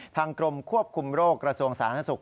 ทางกรมควบคุมโรคกระทรวงศาลถ้าระศุกร์